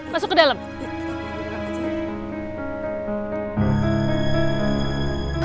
masuk ke dalam